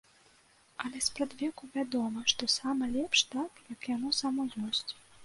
Але спрадвеку вядома, што сама лепш так, як яно само ёсць.